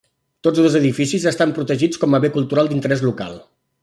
Tots dos edificis estan protegits com a bé cultural d'interès local.